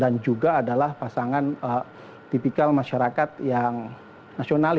dan juga adalah pasangan tipikal masyarakat yang nasional